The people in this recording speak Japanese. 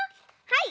はい。